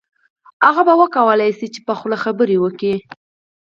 هغه به وکولای شي چې په خوله خبرې وکړي